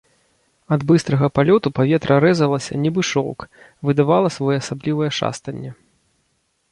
Ад быстрага палёту паветра рэзалася, нібы шоўк, выдавала своеасаблівае шастанне.